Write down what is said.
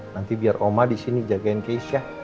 nanti biar oma di sini jagain keisha